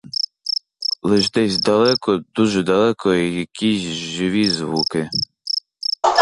Лиш десь далеко, дуже далеко якісь живі звуки.